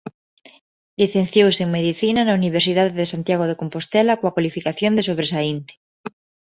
Licenciouse en Medicina na Universidade de Santiago de Compostela coa cualificación de sobresaínte.